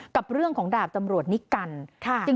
กับเรื่องของดาบตำรวจนิกัล